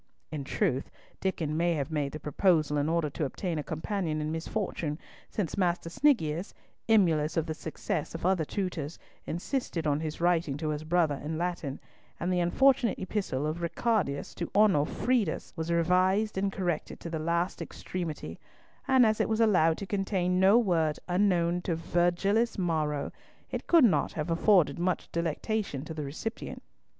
In truth Diccon may have made the proposal in order to obtain a companion in misfortune, since Master Sniggius, emulous of the success of other tutors, insisted on his writing to his brother in Latin, and the unfortunate epistle of Ricardus to Onofredus was revised and corrected to the last extremity, and as it was allowed to contain no word unknown to Virgilius Maro, it could not have afforded much delectation to the recipient.